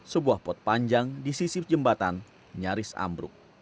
sebuah pot panjang di sisi jembatan nyaris ambruk